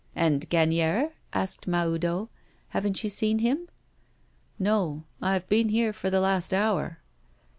'And Gagnière?' asked Mahoudeau; 'haven't you seen him?' 'No; I have been here for the last hour.